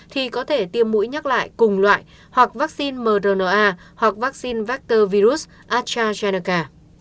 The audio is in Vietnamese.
thì có thể tiêm mũi nhắc lại cùng loại hoặc vaccine mrna hoặc vaccine vector virus astrazeneca